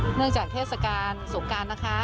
เนื่องจากเทศกาลสงการนะคะ